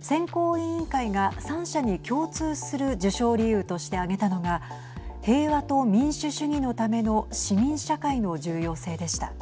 選考委員会が３者に共通する授賞理由として挙げたのが平和と民主主義のための市民社会の重要性でした。